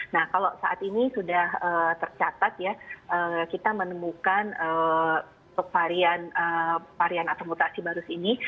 nah kalau saat ini sudah tercatat ya kita menemukan varian atau mutasi baru ini